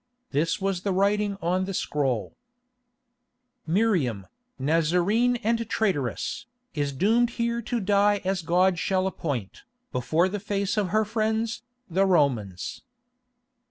This was the writing on the scroll: _"Miriam, Nazarene and Traitress, is doomed here to die as God shall appoint, before the face of her friends, the Romans."